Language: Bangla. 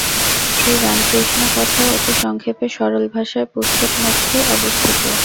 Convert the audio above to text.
শ্রীরামকৃষ্ণ-কথা অতি সংক্ষেপে সরল ভাষায় পুস্তকমধ্যে অবস্থিত।